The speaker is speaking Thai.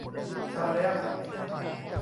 อารยะขัดขืน